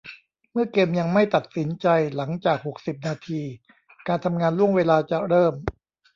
เมื่อเกมยังไม่ตัดสินใจหลังจากหกสิบนาทีการทำงานล่วงเวลาจะเริ่ม